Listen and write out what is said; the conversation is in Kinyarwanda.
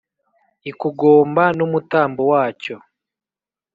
ikugomba n'umutambo wacyo,